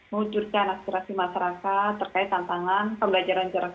mengujurkan aspirasi masyarakat terkait tantangan pembelajaran jaringan